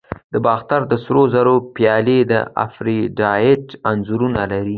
د باختر د سرو زرو پیالې د افروډایټ انځور لري